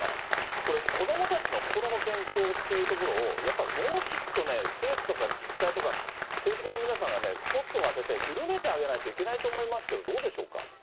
これ子どもたちの心の健康っていうところを、やっぱりもうちょっとね、政府とか自治体とか、政治家の皆さんがね、スポットを当てて、緩めてあげないといけないと思いますけど、どうでしょうか。